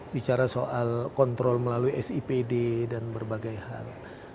bicara soal kontrol melalui sipd dan berbagai hal